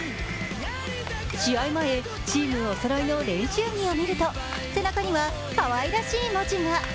試合前、チームおそろいの練習着を見ると背中にはかわいらしい文字が。